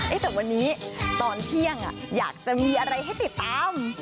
แต่วันนี้ตอนเที่ยงอยากจะมีอะไรให้ติดตาม